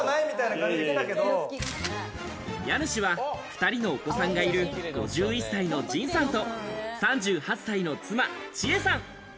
家主は２人のお子さんがいる５１歳の仁さんと、３８歳の妻・智恵さん。